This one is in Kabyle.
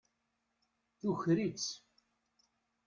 Tuker-itt.